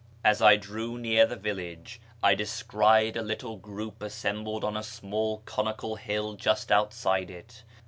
As I drew near the village I descried a little group assembled on a small conical hill just outside it.